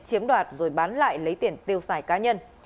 chiếm đoạt rồi bán lại lấy tiền tiêu xài cá nhân